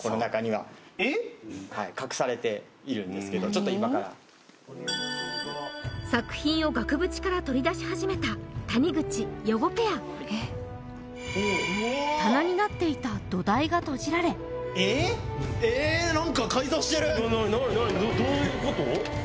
ちょっと今から作品を額縁から取り出し始めた谷口・余語ペア棚になっていた土台が閉じられ・何何どういうこと？